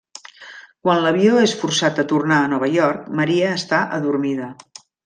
Quan l'avió és forçat a tornar a Nova York, Maria està adormida.